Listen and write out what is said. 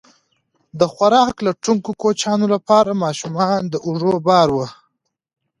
د خوراک لټونکو کوچیانو لپاره ماشومان د اوږو بار وو.